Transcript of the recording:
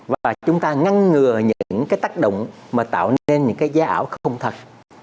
và chúng ta ngăn ngừa những cái tác động mà tạo nên những cái giá ảo không thật